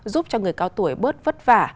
giúp cho người cao tuổi bớt vất vả